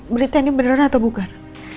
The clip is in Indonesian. berita ini beneran atau bukan